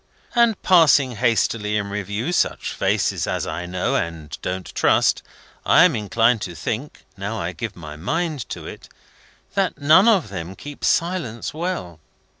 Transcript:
And passing hastily in review such faces as I know, and don't trust, I am inclined to think, now I give my mind to it, that none of them keep silence well."